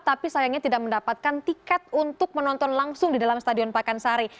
tapi sayangnya tidak mendapatkan tiket untuk menonton langsung di dalam stadion pakansari